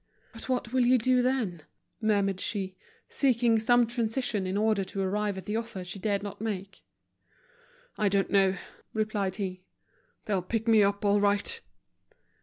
"But what will you do, then?" murmured she, seeking some transition in order to arrive at the offer she dared not make. "I don't know," replied he. "They'll pick me up all right."